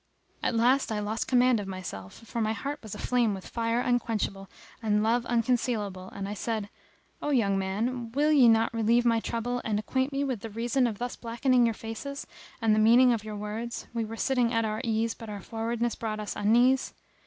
At last, I lost command of myself, for my heart was aflame with fire unquenchable and lowe unconcealable and I said, "O young men, will ye not relieve my trouble and acquaint me with the reason of thus blackening your faces and the meaning of your words:—We were sitting at our ease but our frowardness brought us unease?"